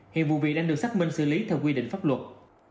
hiện vụ việc đang được xác minh xử lý theo quy định pháp luật